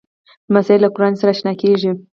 لمسی له قرآنه سره اشنا کېږي.